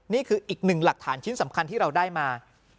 นี่คืออีกหนึ่งหลักฐานชิ้นสำคัญที่เราได้มา